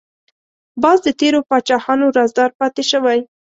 باز د تیرو پاچاهانو رازدار پاتې شوی